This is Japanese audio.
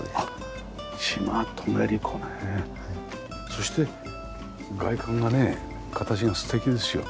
そして外観がねえ形が素敵ですよ。